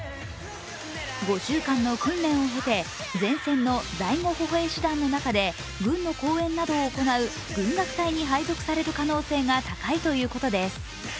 ５週間の訓練を経て、前線の第５歩兵師団の中で軍の公演などを行う、軍楽隊に配属される可能性が高いということです。